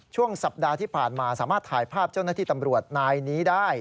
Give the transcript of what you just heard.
ช่วงสัปดาห์ที่ผ่านมาสามารถถ่ายภาพเจ้าหน้าที่ตำรวจนายนี้ได้